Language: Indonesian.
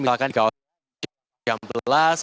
misalkan di kawasan jambelas